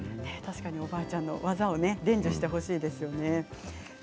確かに、おばあちゃんの技を伝授してほしいですよね。